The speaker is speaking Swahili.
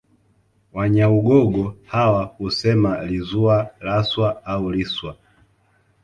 Wanyaugogo hawa husema lizuwa laswa au liswa